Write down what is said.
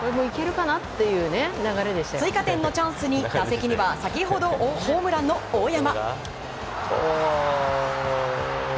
追加点のチャンスに打席には先ほどホームランの大山。